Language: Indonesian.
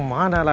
kumana lah liat